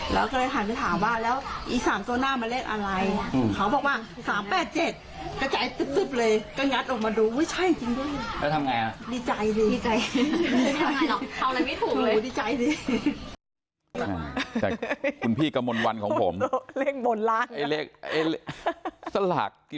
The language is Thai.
เราก็เลยถามไปถามว่าแล้วอีสามตัวหน้ามาเล่นอะไร